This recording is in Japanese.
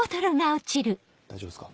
大丈夫っすか？